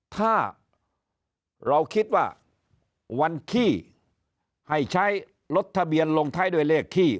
ถ้าเราคิดว่าวันขี้ให้ใช้รถทะเบียนลงท้ายด้วยเลขที่